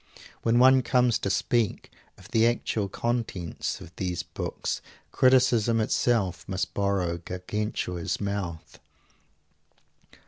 When one comes to speak of the actual contents of these books criticism itself must borrow Gargantua's mouth.